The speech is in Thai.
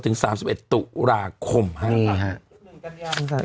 ถึง๓๑ตุลาคมฮะนี่ฮะ